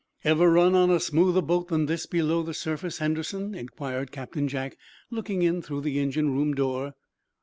"Ever run on a smoother boat than this below the surface, Henderson?" inquired Captain Jack, looking in through the engine room door.